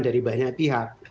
dari banyak pihak